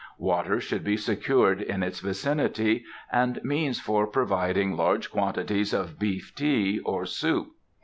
Water should be secured in its vicinity, and means for providing large quantities of beef tea or soup.